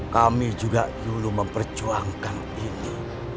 kami juga dulu memperjuangkan ini